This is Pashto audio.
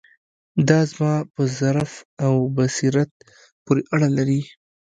دا زما په ظرف او بصیرت پورې اړه لري.